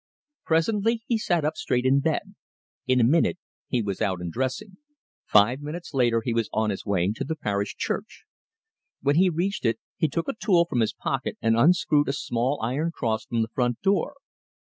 Presently he sat up straight in bed. In another minute he was out and dressing. Five minutes later he was on his way to the parish church. When he reached it he took a tool from his pocket and unscrewed a small iron cross from the front door.